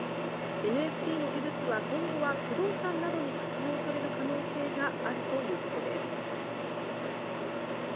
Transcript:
ＮＦＴの技術は今後は不動産などに活用される可能性があるということです。